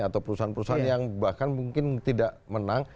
atau perusahaan perusahaan yang bahkan mungkin tidak menang